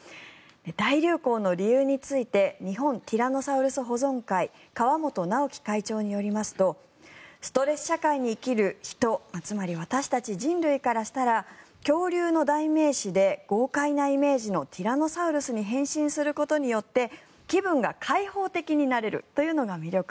大流行の理由について日本ティラノサウルス保存会川本直樹会長によりますとストレス社会に生きる人つまり、私たち人類からしたら恐竜の代名詞で豪快なイメージのティラノサウルスに変身することによって気分が開放的になれるというのが魅力。